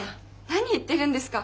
何言ってるんですか。